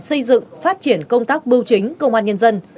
xây dựng phát triển công tác bưu chính công an nhân dân